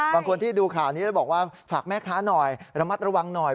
บางคนที่ดูข่าวนี้แล้วบอกว่าฝากแม่ค้าหน่อยระมัดระวังหน่อย